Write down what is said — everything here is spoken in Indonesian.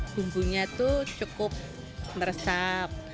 bumbunya itu cukup meresap